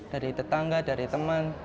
dari tetangga dari teman